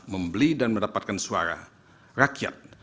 membeli dan mendapatkan suara rakyat